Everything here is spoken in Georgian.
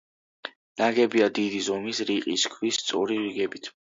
ნაგებია დიდი ზომის, რიყის ქვის, სწორი რიგებით.